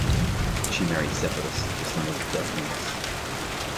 She married Cephalus, the son of Deioneus.